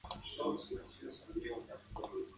Tales palabras son de origen latino o griego.